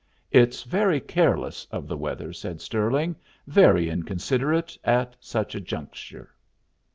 "It's very careless of the weather," said Stirling. "Very inconsiderate, at such a juncture."